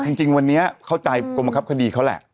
จริงวันนี้เข้าใจกรมบังคับคดีเขาแหละ